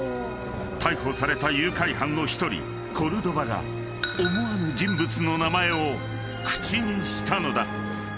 ［逮捕された誘拐犯の一人コルドバが思わぬ人物の名前を口にしたのだ］